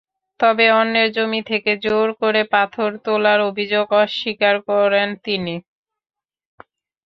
তবে অন্যের জমি থেকে জোর করে পাথর তোলার অভিযোগ অস্বীকার করেন তিনি।